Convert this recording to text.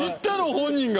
本人が。